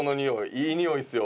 いい匂いですよ。